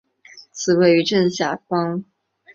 此站位于正下方。